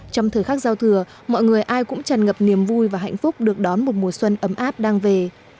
trong thời khắc giao thừa mọi người ai cũng tràn ngập niềm vui và hạnh phúc được đón một mùa xuân ấm áp đang về